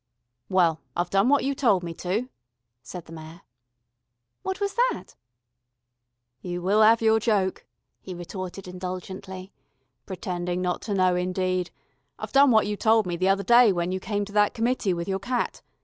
"Well, I've done what you told me to," said the Mayor. "What was that?" "You will 'ave your joke," he retorted indulgently. "Pretending not to know, indeed. I've done what you told me the other day when you came to that committee with your cat.